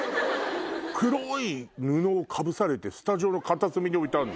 黒い布をかぶされてスタジオの片隅に置いてあんの。